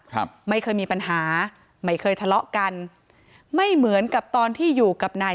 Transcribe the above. ทั้งครูก็มีค่าแรงรวมกันเดือนละประมาณ๗๐๐๐กว่าบาท